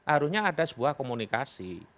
arunya ada sebuah komunikasi